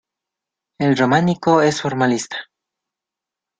El románico es formalista.